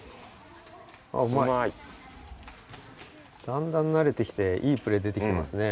だんだんなれてきていいプレー出てきてますね。